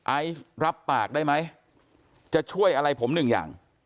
ไอซ์รับปากได้ไหมจะช่วยอะไรผมหนึ่งอย่าง